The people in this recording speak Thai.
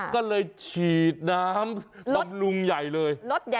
ก็เลยฉีดน้ำบำรุงใหญ่เลย